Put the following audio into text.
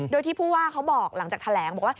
โดยที่ภูว่าเขาบอกหลังจากแถลง